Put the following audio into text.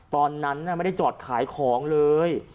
ตอนนั้นไม่ได้จอดขายของเลย